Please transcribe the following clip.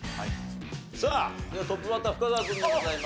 さあではトップバッター深澤君でございますが。